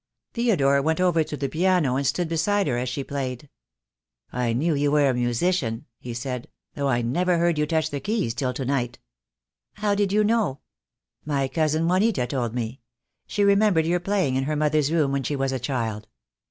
Theodore went over to the piano and stood beside her as she played. "I knew you were a musician," he said, "though I never heard you touch the keys till to night." "How did you know?" "My cousin Juanita told me. She remembered your playing in her mother's room when she was a child."